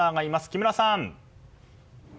木村さん！